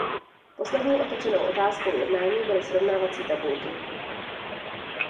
Poslední otevřenou otázkou jednání byly srovnávací tabulky.